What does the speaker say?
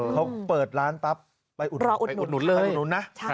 เขาเปิดร้านปั๊บไปอุดหนุน